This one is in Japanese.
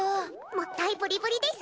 もったいブリブリです。